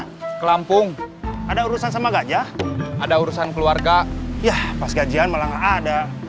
hai kelampung ada urusan sama gajah ada urusan keluarga ya pas gajian malah ada